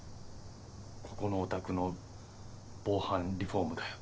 ここのお宅の防犯リフォームだよ。